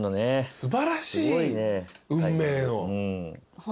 素晴らしい運命の。